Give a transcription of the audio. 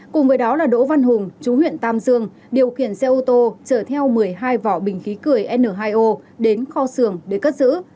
cùng với đó là đỗ văn hùng chú huyện tam dương điều khiển xe ô tô chở theo một mươi hai vỏ bình khí cười n hai o đến kho xưởng để cất giữ